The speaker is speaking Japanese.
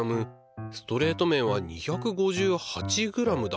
ストレート麺は２５８ｇだ。